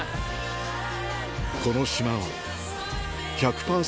この島は１００％